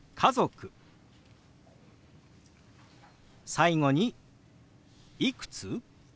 最後に「いくつ？」。